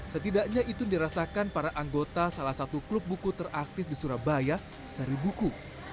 setidaknya itu dirasakan para anggota salah satu klub buku teraktif di surabaya seri buku